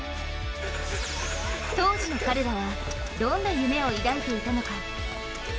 当時の彼らはどんな夢を抱いていたのか。